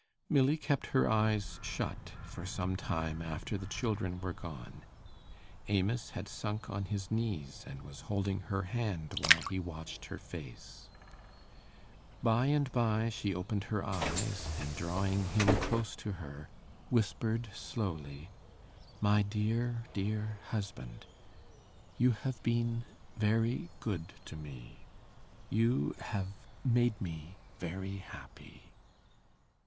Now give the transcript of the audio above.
Milly kept her eyes shut for some time after the children were gone. Amos had sunk on his knees, and was holding her hand while he watched her face. By and by she opened her eyes, and, drawing him close to her, whispered slowly, 'My dear dear husband you have been very good to me. You have made me very happy.